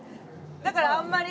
だからあんまり。